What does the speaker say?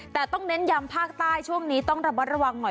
แต่ต้องเน้นยำภาคใต้ช่วงนี้ต้องระมัดระวังหน่อย